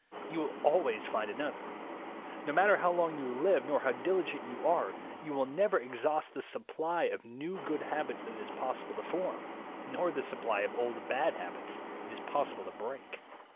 You will always find another. No matter how long you live nor how diligent you are, you will never ex haust the supply of new good habits that it is pos sible to form, nor the supply of old bad habits it is possible to break.